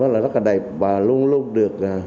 đó là rất là đẹp và luôn luôn được